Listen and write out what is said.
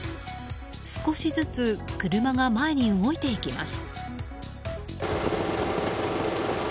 少しずつ車が前に動いていきます。